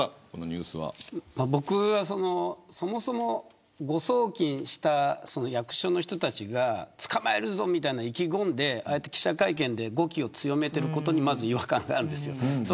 僕は、そもそも誤送金した役所の人たちが捕まえるぞみたいに意気込んで記者会見で語気を強めてことにまず違和感があるんです。